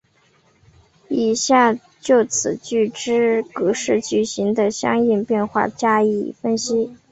以下就此句之各式句型的应用变化加以分析。